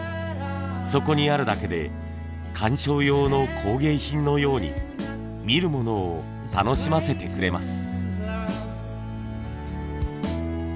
そこにあるだけで鑑賞用の工芸品のように見る者を楽しませてくれます。